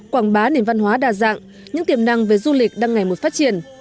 quảng bá nền văn hóa đa dạng những tiềm năng về du lịch đang ngày một phát triển